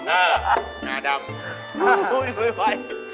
งาดำ